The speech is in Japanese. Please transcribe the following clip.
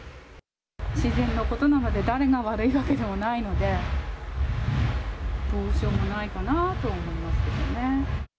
自然のことなので、誰が悪いわけでもないので、どうしようもないかなと思いますけどね。